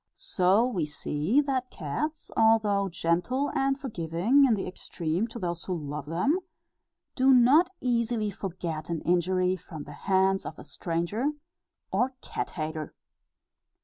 So we see that cats, although gentle and forgiving in the extreme to those who love them, do not easily forget an injury from the hands of a stranger or cat hater.